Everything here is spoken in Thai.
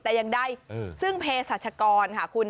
แต่ยังได้ซึ่งเพศรัชกรค่ะคุณ